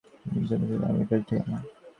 প্রথম দিকে এই বাড়ীই ছিল স্বামীজীর আমেরিকার ঠিকানা।